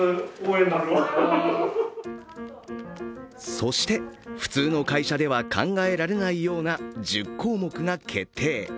そして、普通の会社では考えられないような１０項目が決定。